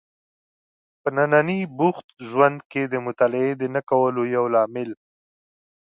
په ننني بوخت ژوند کې د مطالعې د نه کولو یو لامل